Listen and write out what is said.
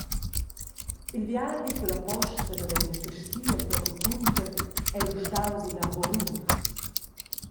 Il viadi culla posta naven da Casti entochen Cunter ei lu staus ina horrur.